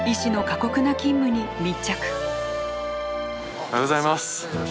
おはようございます。